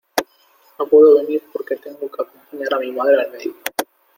No puedo venir porque tengo que acompañar a mi madre al médico.